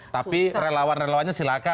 tapi relawan relawannya silakan